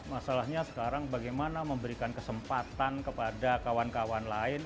masalahnya sekarang bagaimana memberikan kesempatan kepada kawan kawan lain